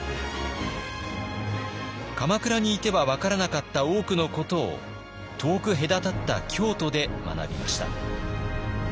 鎌倉にいては分からなかった多くのことを遠く隔たった京都で学びました。